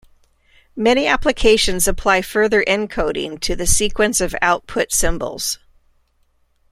Many applications apply further encoding to the sequence of output symbols.